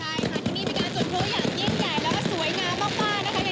ใช่ค่ะที่นี่มีการจดพลุที่อย่างเย็นใหญ่และสวยงามมากนะคะ